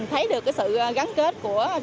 thấy được sự gắn kết của